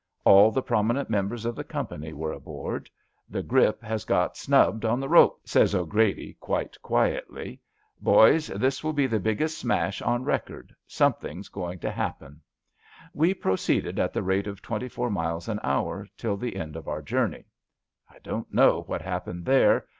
All the prominent members of the company were aboard. * The grip has got snubbed on the rope/ says 'Grady quite quietly. * Boys, this will be the biggest smash on record. Something's going to happen.' We proceeded at the rate of twenty four miles an hour till the end of our journey. I don't know what happened there.